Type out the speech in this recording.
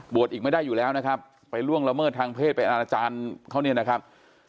อีกไม่ได้อยู่แล้วนะครับไปล่วงละเมิดทางเพศไปอาณาจารย์เขาเนี่ยนะครับ